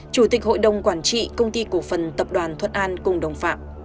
chủ tịch hội đồng quản trị công ty cổ phần tập đoàn thuận an cùng đồng phạm